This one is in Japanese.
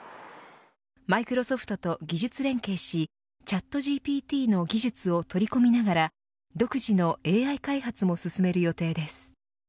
マイクロソフトと技術連携しチャットＧＰＴの技術を取り込みながら独自のＡＩ開発も進める予定です。